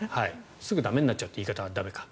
すぐ駄目になっちゃうって言い方は駄目か。